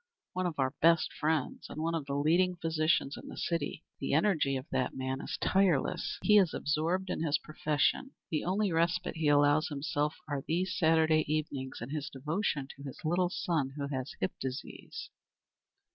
"One of our best friends, and one of the leading physicians in the city. The energy of that man is tireless. He is absorbed in his profession. The only respite he allows himself are these Saturday evenings, and his devotion to his little son who has hip disease.